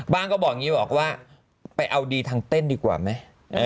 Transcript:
ก็บอกอย่างนี้บอกว่าไปเอาดีทางเต้นดีกว่าไหม